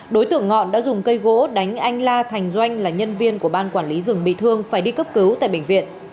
đối tượng ngọn đã dùng cây gỗ đánh anh la thành doanh là nhân viên của ban quản lý rừng bị thương phải đi cấp cứu tại bệnh viện